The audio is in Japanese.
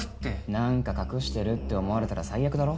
何か隠してるって思われたら最悪だろ？